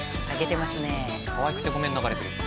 「可愛くてごめん」流れてる。